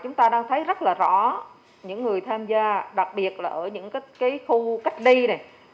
chúng ta đang thấy rất là rõ những người tham gia đặc biệt là ở những khu cách ly này